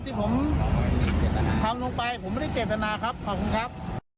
ที่ผมทำลงไปผมไม่ได้เจตนาครับขอบคุณครับ